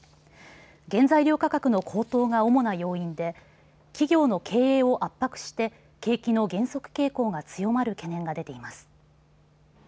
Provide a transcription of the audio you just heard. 原材料価格の高騰が主な要因で企業の経営を圧迫して景気の減速傾向が強まる懸念が出ています。